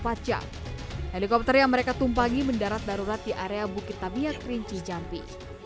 pada saat ini helikopter yang mereka tumpangi mendarat darurat di area bukit tamiya kerinci jambi